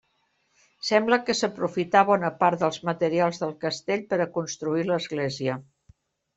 Sembla que s'aprofità bona part dels materials del castell per a construir l'església.